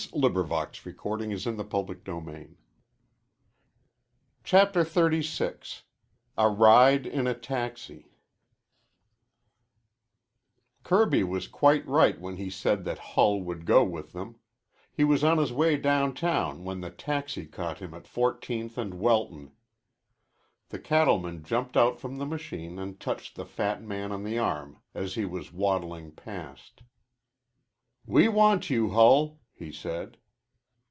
"Wish you luck," Kirby said with perfect gravity. CHAPTER XXXVI A RIDE IN A TAXI Kirby was quite right when he said that Hull would go with them. He was on his way downtown when the taxi caught him at Fourteenth and Welton. The cattleman jumped out from the machine and touched the fat man on the arm as he was waddling past. "We want you, Hull," he said.